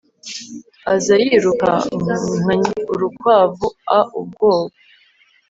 aza yiruka nka urukwavu a ubwoba